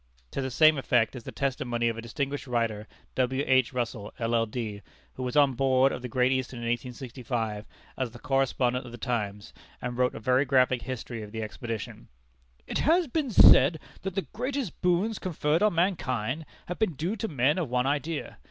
To the same effect is the testimony of a distinguished writer, W. H. Russell, LL.D., who was on board of the Great Eastern in 1865, as the correspondent of The Times, and wrote a very graphic History of the Expedition (p. 10): "It has been said that the greatest boons conferred on mankind, have been due to men of one idea.